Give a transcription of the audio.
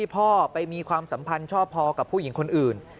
พ่อไปมีความสัมพันธ์ชอบพอกับผู้หญิงคนอื่น